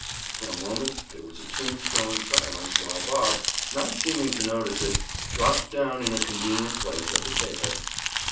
For a moment there was a tombstone silence while Bob, not seeming to notice it, dropped down in a convenient place at the table.